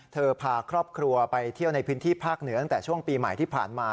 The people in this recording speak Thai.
พาครอบครัวไปเที่ยวในพื้นที่ภาคเหนือตั้งแต่ช่วงปีใหม่ที่ผ่านมา